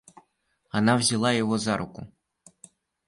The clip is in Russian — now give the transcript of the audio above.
Она взяла его за руку.